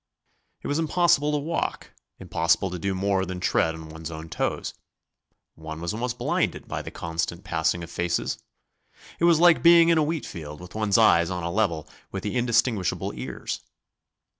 It was impossible to walk, impossible to do more than tread on one's own toes; one was almost blinded by the constant passing of faces. It was like being in a wheat field with one's eyes on a level with the indistinguishable ears.